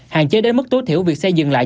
hạn chế đến mức tối thiểu việc xây dựng lại